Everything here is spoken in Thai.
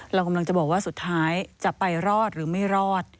เรากำลังจะบอกว่าสุดท้ายจะไปรอดหรือไม่รอด